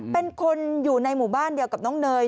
เป็นคนอยู่ในหมู่บ้านเดียวกับน้องเนย